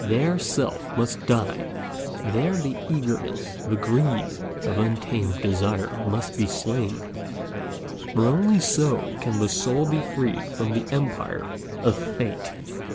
There Self must die; there the eagerness, the greed of untamed desire must be slain, for only so can the soul be freed from the empire of Fate.